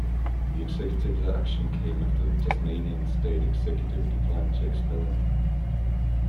The Executive's action came after the Tasmanian State Executive declined to expel him.